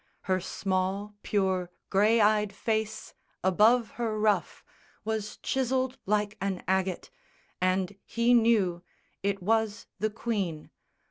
Her small, pure, grey eyed face above her ruff Was chiselled like an agate; and he knew It was the Queen.